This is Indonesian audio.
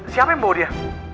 siapa yang bawa dia